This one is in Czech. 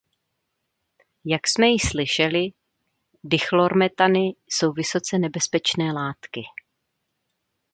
Jak jsme již slyšeli, dichlormethany jsou vysoce nebezpečné látky.